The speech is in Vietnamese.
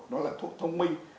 nó là thuốc thông minh